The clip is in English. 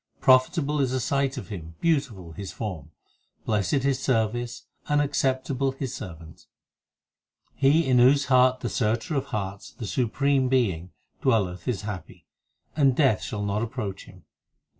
Profitable is a sight of him, beautiful his form, Blessed his service, and acceptable his servant. He in whose heart the Searcher of hearts, The Supreme Being, dwelleth is happy, And Death shall not approach him.